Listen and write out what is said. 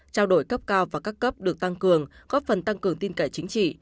trao đổi cấp cao và các cấp được tăng cường góp phần tăng cường tin cậy chính trị